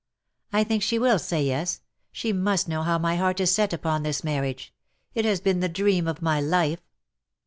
''''" I think she will say yes. She must know how my heart is set upon this marriage. It has been the dream of my life."